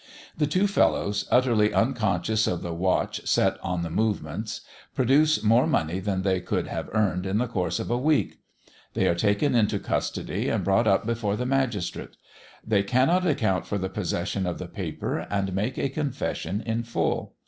The two fellows, utterly unconscious of the watch set on their movements, produce more money than they could have earned in the course of a week. They are taken into custody and brought up before the magistrate. They cannot account for the possession of the paper, and make a confession in full.